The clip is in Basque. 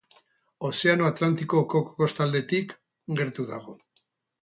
Ozeano Atlantikoko kostaldetik gertu dago.